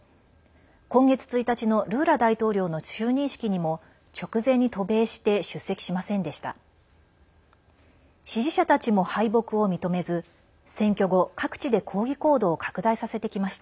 今月１日のルーラ大統領の就任式にも直前に渡米して出席しませんでした。